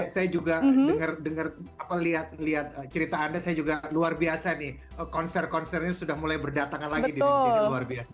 saya juga dengar dengar cerita anda saya juga luar biasa nih konser konsernya sudah mulai berdatangan lagi di indonesia luar biasa